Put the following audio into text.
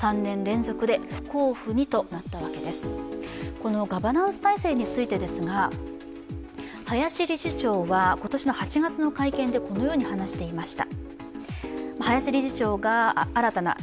このガバナンス体制についてですが林理事長は今年８月の会見でこのように話していました。